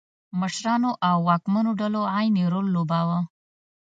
مشرانو او واکمنو ډلو عین رول لوباوه.